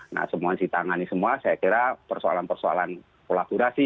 nah semua ditangani semua saya kira persoalan persoalan kolaborasi